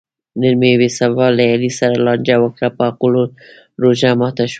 نن مې بې سببه له علي سره لانجه وکړه؛ په غولو روژه ماته شوه.